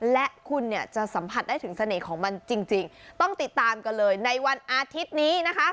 และคุณเนี่ยจะสัมผัสได้ถึงเสน่ห์ของมันจริงต้องติดตามกันเลยในวันอาทิตย์นี้นะคะ